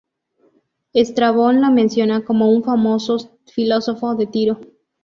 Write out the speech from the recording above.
Estrabón lo menciona como un "famosos filósofo" de Tiro.